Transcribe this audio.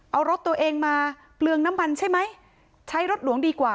เอารถตัวเองมาเปลืองน้ำมันใช่ไหมใช้รถหลวงดีกว่า